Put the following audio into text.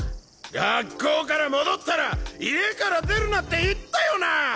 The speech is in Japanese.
学校から戻ったら家から出るなって言ったよなあ